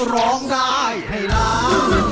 ร้องได้ให้ล้าน